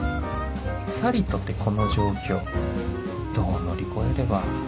さりとてこの状況どう乗り越えれば